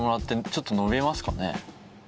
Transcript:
ちょっと伸びますかね。